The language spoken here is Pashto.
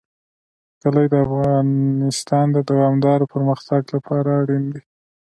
کلي د افغانستان د دوامداره پرمختګ لپاره اړین دي.